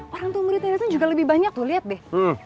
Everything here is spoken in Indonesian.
orang tua murid indonesia juga lebih banyak tuh lihat deh